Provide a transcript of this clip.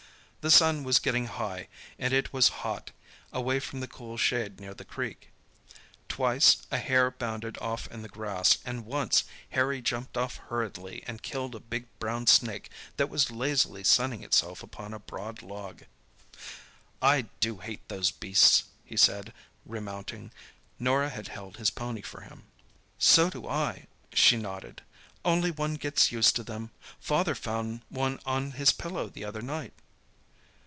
The sun was getting high and it was hot, away from the cool shade near the creek. Twice a hare bounded off in the grass, and once Harry jumped off hurriedly and killed a big brown snake that was lazily sunning itself upon a broad log. "I do hate those beasts!" he said, remounting. Norah had held his pony for him. "So do I," she nodded; "only one gets used to them. Father found one on his pillow the other night."